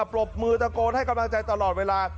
ปรบมือตะโกนให้กำลังใจตลอดเวลา